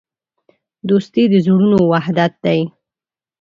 دوستي د زړونو وحدت دی.